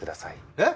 えっ？